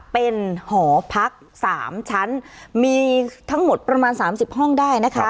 เป็นหอพัก๓ชั้นมีทั้งหมดประมาณ๓๐ห้องได้นะคะ